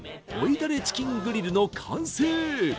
だれチキングリルの完成！